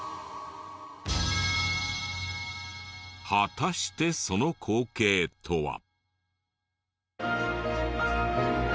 果たしてその光景とは。